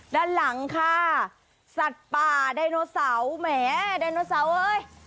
ด้านหลังค่ะสัตว์ป่าไดโนเสาร์แหมไดโนเสาร์เอ้ย